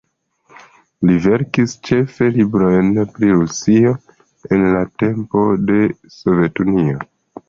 Li verkis ĉefe librojn pri Rusio en la tempo de Sovetunio.